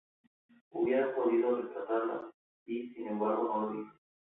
hubiera podido rescatarla, y, sin embargo, no lo hice.